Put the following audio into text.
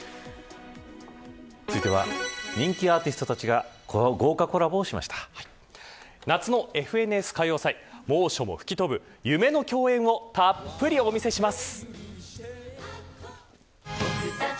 続いては人気アーティストたちが夏のＦＮＳ歌謡祭猛暑も吹き飛ぶ夢の競演をたっぷりお見せします。